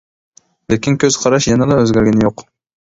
لېكىن كۆز قاراش يەنىلا ئۆزگەرگىنى يوق.